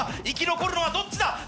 生き残るのはどっちだ？